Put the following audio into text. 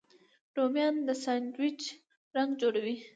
رومیان د ساندویچ رنګ جوړوي